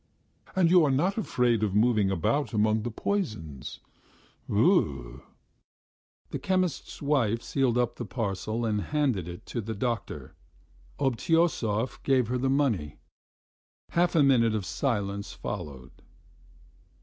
And you are not afraid of moving about among the poisons? Brrr!" The chemist's wife sealed up the parcel and handed it to the doctor. Obtyosov gave her the money. Half a minute of silence followed.